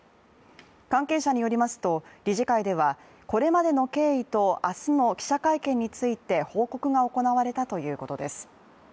関係者によりますと、理事会ではこれまでの経緯と明日の記者会見について報告が行われたということです。